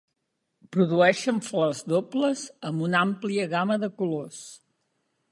Produeixen flors dobles amb una àmplia gamma de colors.